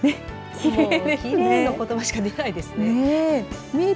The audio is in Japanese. きれいのことばしか出ないですねえ。